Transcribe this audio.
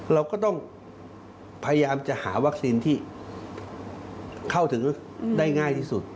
เราก็ต้องพยายามจะหาวัคซีนที่เข้าถึงได้ง่ายที่สุด